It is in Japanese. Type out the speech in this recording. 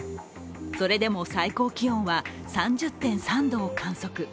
それでも最高気温は３０．３度を観測。